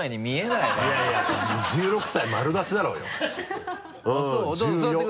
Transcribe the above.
いやいや１６歳丸出しだろうよ。